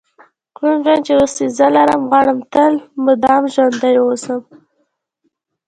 کوم ژوند چې اوس یې زه لرم غواړم تل مدام ژوندی ووسم.